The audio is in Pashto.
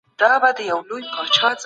د کتاب لوستل د ذهن دروازې پرانيزي.